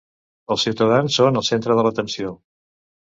Els ciutadans són el centre de l'atenció.